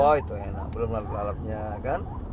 oh itu enak belum larut lalapnya kan